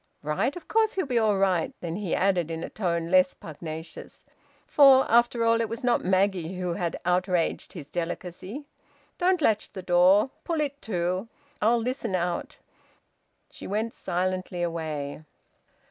"Right? Of course he'll be all right!" Then he added, in a tone less pugnacious for, after all, it was not Maggie who had outraged his delicacy, "Don't latch the door. Pull it to. I'll listen out." She went silently away.